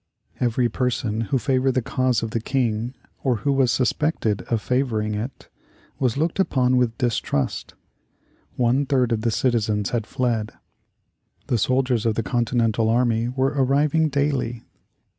Every person who favored the cause of the King, or who was suspected of favoring it, was looked upon with distrust. One third of the citizens had fled. The soldiers of the Continental army were arriving daily.